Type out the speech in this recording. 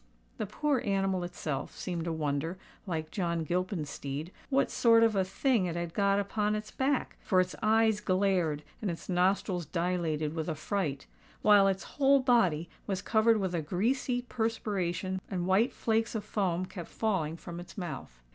The poor animal itself seemed to wonder, like John Gilpin's steed, what sort of a thing it had got upon its back; for its eyes glared, and its nostrils dilated with affright: while its whole body was covered with a greasy perspiration, and white flakes of foam kept falling from its mouth.